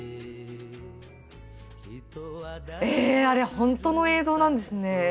あれホントの映像なんですね。